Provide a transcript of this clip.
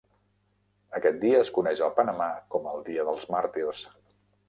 Aquest dia es coneix al Panamà com el Dia dels Màrtirs.